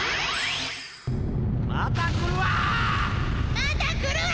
・また来るわ！